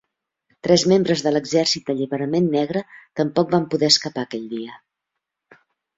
Tres membre de l'Exèrcit d'Alliberament Negre tampoc van poder escapar aquell dia.